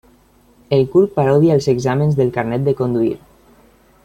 El curt parodia els exàmens del carnet de conduir.